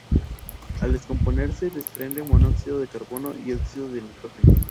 Al descomponerse desprende monóxido de carbono y óxidos de nitrógeno.